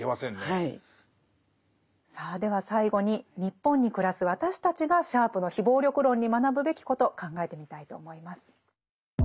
さあでは最後に日本に暮らす私たちがシャープの非暴力論に学ぶべきこと考えてみたいと思います。